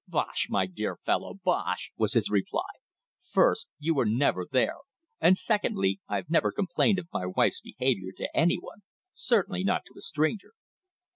"Bosh! My dear fellow! Bosh!" was his reply. "First, you were never there; and secondly, I've never complained of my wife's behaviour to anyone; certainly not to a stranger."